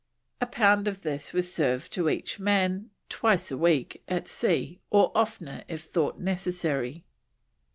A pound of this was served to each man, twice a week, at sea, or oftener if thought necessary.